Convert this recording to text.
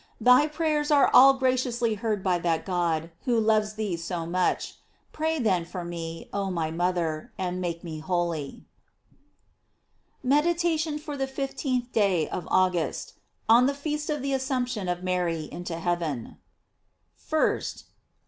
Thy prayers are all graciousTy heard by that God who loves thee so much. Pray, then, for me, oh my mother, and make me holy MEDITATION FOR THE FIFTEENTH DAY OF AUGUST. On the Feast of the Assumption of Mary into Heaven. 1st.